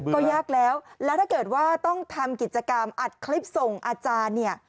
ก็ยากแล้วแล้วถ้าเกิดว่าต้องทำกิจกรรมอัดคลิปส่งอาจารย์เนี่ย